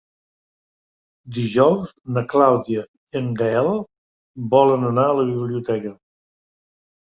Dijous na Clàudia i en Gaël volen anar a la biblioteca.